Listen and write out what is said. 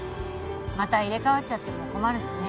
また入れ替わっちゃっても困るしね